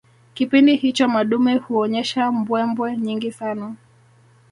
Kipindi hicho madume huonyesha mbwembwe nyingi sana